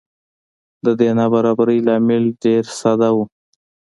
د دې نابرابرۍ لامل ډېره ساده و.